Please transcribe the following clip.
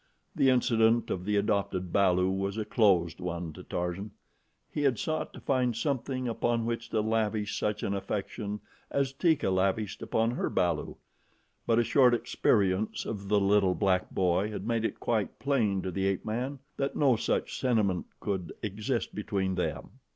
The incident of the adopted balu was a closed one to Tarzan. He had sought to find something upon which to lavish such an affection as Teeka lavished upon her balu, but a short experience of the little black boy had made it quite plain to the ape man that no such sentiment could exist between them.